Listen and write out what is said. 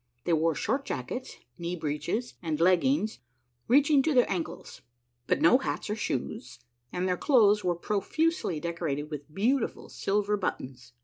They wore short jackets, knee breeches, and leggings reacliing to their ankles, but no hats or shoes, and their clothes were profusely decorated with beautiful silver buttons.